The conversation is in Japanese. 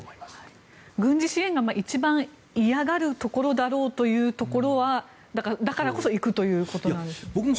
軍事支援が一番嫌がるだろうということでだからこそ行くということなんですかね。